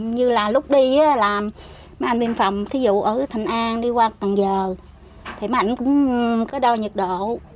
như là lúc đi là mấy anh biên phòng thí dụ ở thành an đi qua cần giờ thì mấy anh cũng có đo nhiệt độ